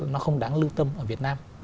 nó không đáng lưu tâm ở việt nam